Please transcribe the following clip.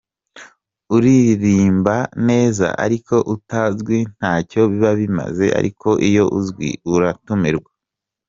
Uririmba neza ariko utazwi ntacyo biba bimaze ariko iyo uzwi uratumirwa.